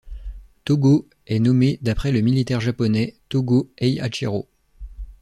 Togo est nommé d'après le militaire japonais Tōgō Heihachirō.